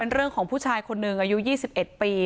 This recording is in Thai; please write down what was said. เรื่องของผู้ชายคนหนึ่งอายุ๒๑ปี